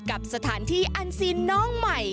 กับสถานที่อันซีนน้องใหม่